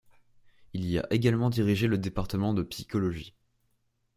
Il y a également dirigé le département de psychologie.